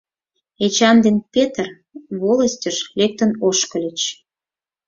Эчан ден Петр волостьыш лектын ошкыльыч.